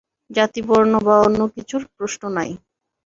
জাতি বর্ণ বা অন্য কিছুর প্রশ্ন নাই।